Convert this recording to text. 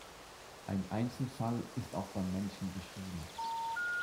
Ein Einzelfall ist auch beim Menschen beschrieben.